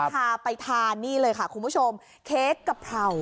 พาไปทานนี่เลยค่ะคุณผู้ชมเค้กกะเพรา